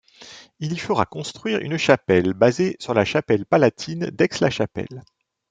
Il y fera construire une chapelle basée sur la chapelle palatine d'Aix-la-Chapelle.